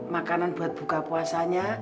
makanan buat buka puasanya